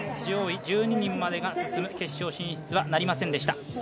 上位１２人までが進む決勝進出はなりませんでした。